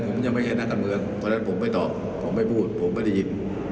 ผมยังไม่ใช่นักการเมืองเพราะฉะนั้นผมไม่ตอบผมไม่พูดผมไม่ได้ยิน